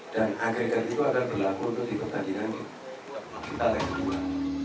dan agregat itu akan berlaku untuk di pertandingan kita lagi berdua